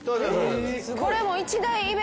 これもう。